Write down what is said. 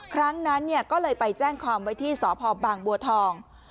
ครั้งนั้นก็เลยไปแจ้งความไว้ที่สพบางบัวทอง